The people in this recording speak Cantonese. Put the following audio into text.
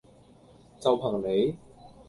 就憑你?